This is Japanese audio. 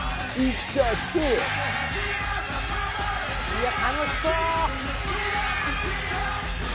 いや楽しそう。